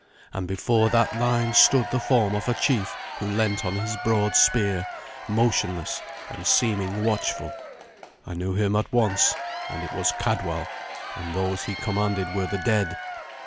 And before that line stood the form of a chief who leant on his broad spear, motionless and seeming watchful. I knew him at once, and it was Cadwal, and those he commanded were the dead.